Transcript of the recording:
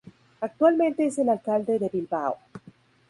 Actualmente es el alcalde de Bilbao.